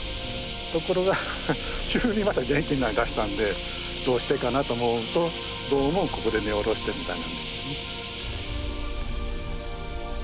ところが急にまた元気になりだしたんでどうしてかなと思うとどうもここで根を下ろしてるみたいなんですよね。